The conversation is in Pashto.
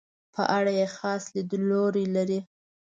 په اړه یې خاص لیدلوری لري.